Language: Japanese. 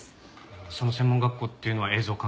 その専門学校っていうのは映像関係の？